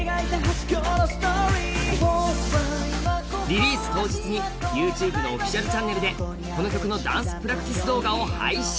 リリース当日にＹｏｕＴｕｂｅのオフィシャルチャンネルでこの曲のダンスプラクティス動画を配信。